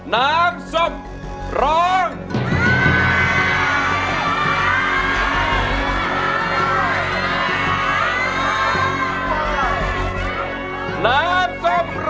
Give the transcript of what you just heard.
น้ำส้มร้อง